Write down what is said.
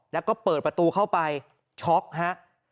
แล้วก็เปิดประตูเข้าไปช็อกฮะ